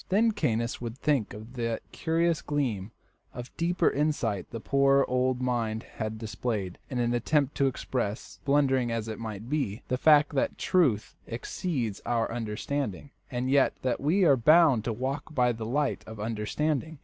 Then Caius would think of that curious gleam of deeper insight the poor old mind had displayed in the attempt to express, blunderingly as it might be, the fact that truth exceeds our understanding, and yet that we are bound to walk by the light of understanding.